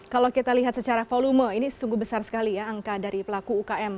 kalau kita lihat secara volume ini sungguh besar sekali ya angka dari pelaku ukm